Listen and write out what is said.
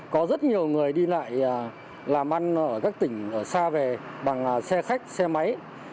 có rất nhiều người đi lại làm ăn ở các tỉnh ở xa về bằng xe khách xe máy